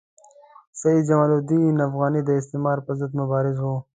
سید جمال الدین افغاني د استعمار پر ضد مبارز وو.